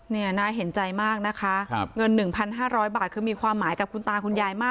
เนี้ยนายเห็นใจมากนะคะครับเงินหนึ่งพันห้าร้อยบาทคือมีความหมายกับคุณตาคุณยายมาก